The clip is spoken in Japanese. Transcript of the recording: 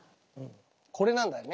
これなんだよね。